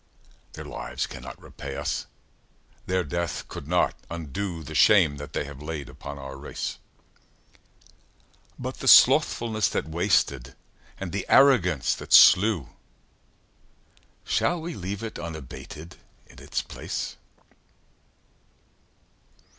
Their lives cannot repay us their death could not undo The shame that they have laid upon our race. But the slothfulness that wasted and the arrogance that slew, Shell we leave it unabated in its place?